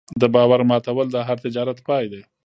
د باور ماتول د هر تجارت پای دی.